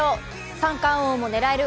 三冠王も狙える